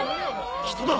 人だ！